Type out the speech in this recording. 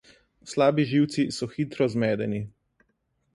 Slabi živci so hitro zmedeni.